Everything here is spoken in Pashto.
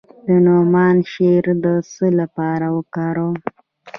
د نعناع شیره د څه لپاره وکاروم؟